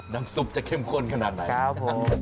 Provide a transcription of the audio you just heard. น้ำซุปจะเข้มข้นขนาดไหนนะครับ